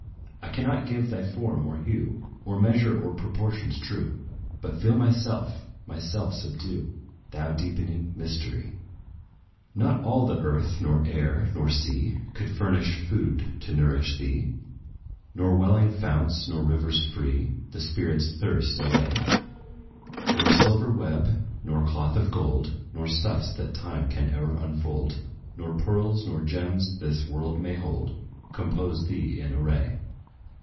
I cannot give thy form, or hue, Or measure, or proportions true; But feel myself myself subdue, Thou deepening mystery. Not all the earth, nor air, nor sea Could furnish food to nourish thee; Nor welling founts, nor rivers free, The spirit's thirst allay: Nor silver web, nor cloth of gold, Nor stuffs, that time can e'er unfold, Nor pearls, nor gems this world may hold, Compose thee an array.